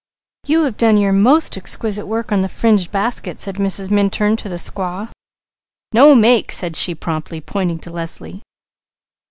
"You have done your most exquisite work on the fringed basket," said Mrs. Minturn to the squaw. "No make!" said she promptly, pointing to Leslie.